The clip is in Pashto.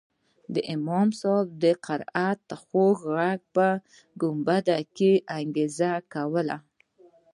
د امام صاحب د قرائت خوږ اواز په ګنبده کښې انګازې کولې.